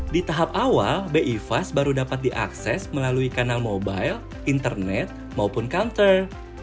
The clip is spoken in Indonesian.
di tahap awal bi fast baru dapat diakses melalui kanal mobile internet maupun counter